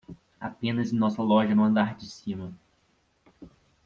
Apenas em nossa loja no andar de cima